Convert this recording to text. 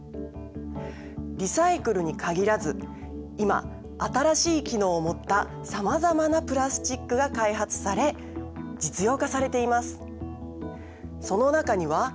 リサイクルに限らず今新しい機能を持ったさまざまなプラスチックが開発され実用化されています。